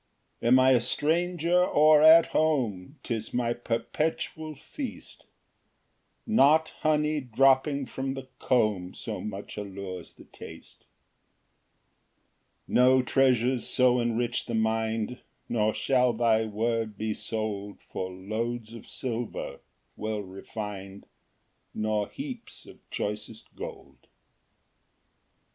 Ver. 19 103. 4 Am I a stranger, or at home, 'Tis my perpetual feast; Not honey dropping from the comb So much allures the taste. Ver. 72 127. 5 No treasures so enrich the mind; Nor shall thy word be sold For loads of silver well refin'd, Nor heaps of choicest gold.